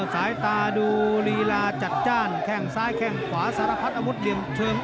สายตาดูลีลาจัดจ้านแข้งซ้ายแข้งขวาสารพัดอาวุธเหลี่ยมเชิง